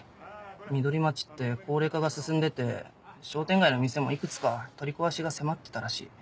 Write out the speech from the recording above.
緑町って高齢化が進んでて商店街の店もいくつか取り壊しが迫ってたらしい。